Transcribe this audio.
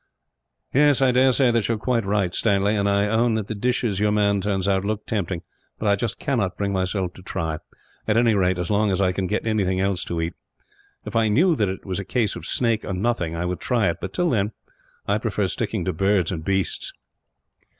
"I dare say that you are quite right, Stanley, and I own that the dishes your man turns out look tempting; but I cannot bring myself to try, at any rate as long as I can get anything else to eat. If I knew that it was a case of snake, or nothing, I would try it; but till then, I prefer sticking to birds and beasts."